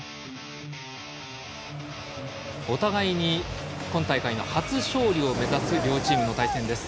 お互いに今大会の初勝利を目指す両チームの対戦です。